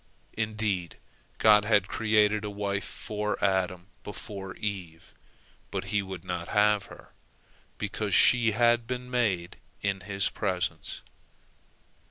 Indeed, God had created a wife for Adam before Eve, but he would not have her, because she had been made in his presence.